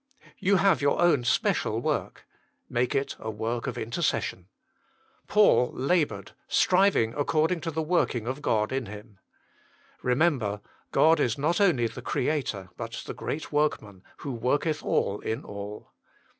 You have your own special work ; make it a work of inter cession. Paul laboured, striving according to the working of God in him. Remember, God is not only the Creator, but the Great Workman, who worketh all in all.